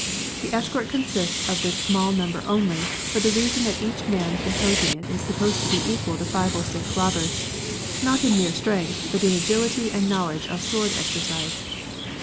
The escort consists of this small number only, for the reason that each man composing it is supposed to be equal to five or six robbers, not in mere strength, but in agility and knowledge of sword exercise.